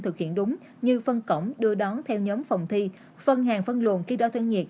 thực hiện đúng như phân cổng đưa đón theo nhóm phòng thi phân hàng phân luận khi đo thân nhiệt